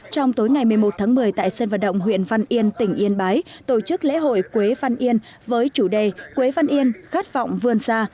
trong tối ngày một mươi một tháng một mươi tại sân vận động huyện văn yên tỉnh yên bái tổ chức lễ hội quế văn yên với chủ đề quế văn yên khát vọng vươn xa